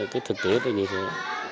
cái thực tế nó như thế